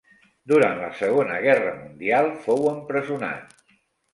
Durant la Segona Guerra Mundial fou empresonat.